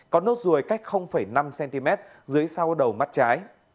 có nốt ruồi cách năm cm dưới sau đầu mắt trái